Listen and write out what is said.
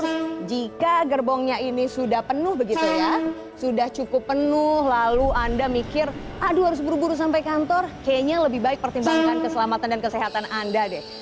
nah jika gerbongnya ini sudah penuh begitu ya sudah cukup penuh lalu anda mikir aduh harus buru buru sampai kantor kayaknya lebih baik pertimbangkan keselamatan dan kesehatan anda deh